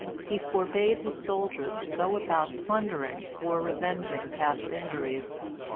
He forbade his soldiers to go about plundering, or revenging past injuries.